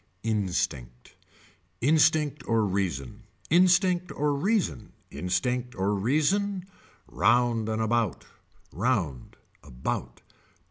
Instinct. Instinct or reason. Instinct or reason. Instinct or reason. Round and about. Round. About.